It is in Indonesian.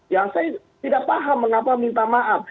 ya saya tidak paham mengapa minta maaf